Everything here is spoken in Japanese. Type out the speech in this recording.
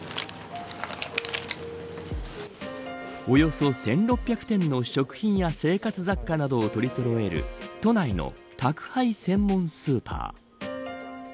およそ１６００点の食品や生活雑貨などを取りそろえる都内の宅配専門スーパー。